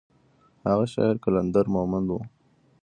هغه شاعر قلندر مومند و.